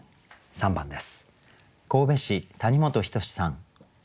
３番です。